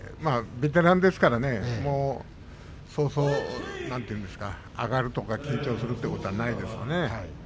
ベテランですからそうそう、なんていうんですかあがるとか、緊張するということはないですね。